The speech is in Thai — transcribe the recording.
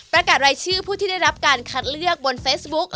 ประกาศรายชื่อผู้ที่ได้รับการคัดเลือกบนเฟซบุ๊ก